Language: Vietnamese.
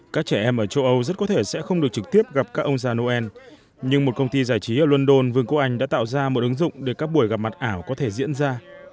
các trẻ em ở châu âu rất có thể sẽ không được trực tiếp gặp các ông già noel nhưng một công ty giải trí ở london vương quốc anh đã tạo ra một ứng dụng để các buổi gặp mặt ảo có thể diễn ra